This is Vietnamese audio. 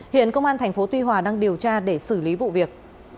hiện công an tp tuy hòa đang điều tra để xử lý vụ việc